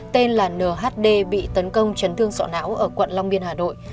tên là nhd bị tấn công chấn thương sọ não ở quận long biên hà nội